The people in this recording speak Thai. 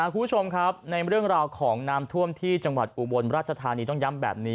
คุณผู้ชมครับในเรื่องราวของน้ำท่วมที่จังหวัดอุบลราชธานีต้องย้ำแบบนี้